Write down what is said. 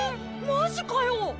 マジかよ！？